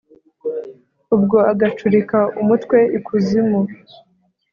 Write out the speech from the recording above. ubwo agacurika umutwe i kuzimu